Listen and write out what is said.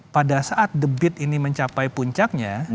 pada saat the bit ini mencapai puncaknya